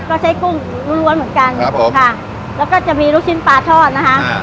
ก็ใช้กุ้งล้วนเหมือนกันครับผมค่ะแล้วก็จะมีลูกชิ้นปลาทอดนะคะ